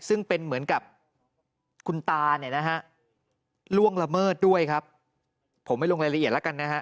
ซึ่งเป็นเหมือนกับคุณตาเนี่ยนะฮะล่วงละเมิดด้วยครับผมไม่ลงรายละเอียดแล้วกันนะฮะ